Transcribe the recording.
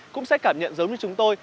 cũng sẽ cảm nhận giống như chúng tôi